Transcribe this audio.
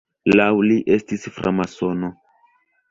Laŭ li estis framasono.